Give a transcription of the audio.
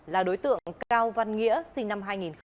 là đối tượng cao văn nghĩa sinh năm hai nghìn